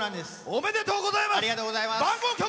おめでとうございます。